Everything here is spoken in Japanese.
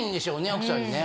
奥さんにね。